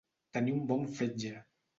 Tenir un bon fetge.